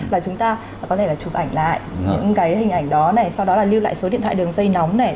là chúng ta có thể là chụp ảnh lại những cái hình ảnh đó này sau đó là lưu lại số điện thoại đường dây nóng này